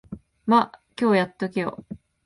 ま、今日やっとけよ。